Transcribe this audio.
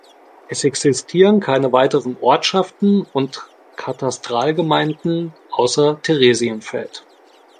Es existieren keine weiteren Ortschaften und Katastralgemeinden außer Theresienfeld.